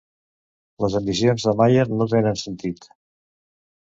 Les ambicions de Mayer no tenen sentit.